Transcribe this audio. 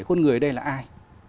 con người đây là ai